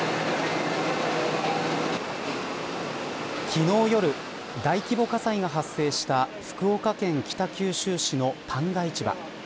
昨日、夜大規模火災が発生した福岡県北九州市の旦過市場。